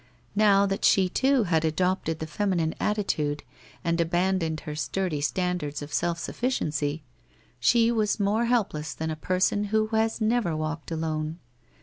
Now that she too had adopted the feminine attitude and abandoned her sturdy standards of self sufficiency, she was more helpless than a person who has never walked alone.